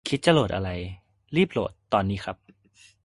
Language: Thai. คิดจะโหลดอะไร รีบโหลดตอนนี้ครับ